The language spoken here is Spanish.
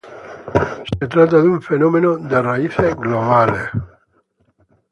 Se trata de un fenómeno de raíces globales.